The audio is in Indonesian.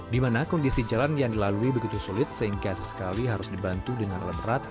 di mana kondisi jalan yang dilalui begitu sulit sehingga sesekali harus dibantu dengan alat berat